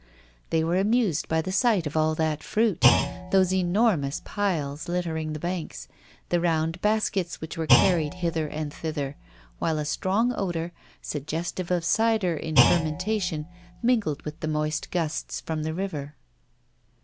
They were amused by the sight of all that fruit, those enormous piles littering the banks, the round baskets which were carried hither and thither, while a strong odour, suggestive of cider in fermentation, mingled with the moist gusts from the river.